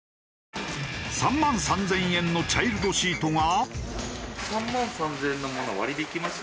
３万３０００円のチャイルドシートが。